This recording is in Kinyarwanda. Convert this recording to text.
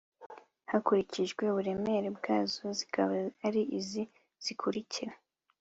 hakurikijwe uburemere bwazo zikaba ari izi zikurikira